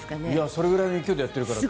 それくらいの勢いでやってるから。